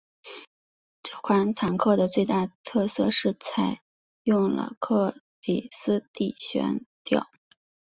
这款坦克的最大特色是采用了克里斯蒂悬吊。